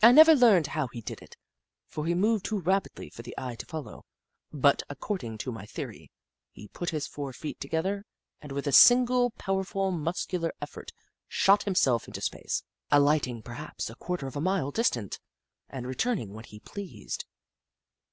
I never learned how he did it, for he moved too rapidly for the eye to follow, but, accord ing to my theory, he put his four feet together and with a single powerful muscular effort shot himself into space, alighting perhaps a quarter of a mile distant, and returning when he pleased.